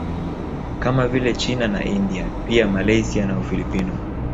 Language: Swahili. Kama vile China na India pia Malaysia na Ufilipino